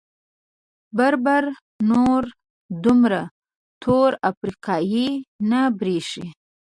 بربر نور دومره تور افریقايي نه برېښي.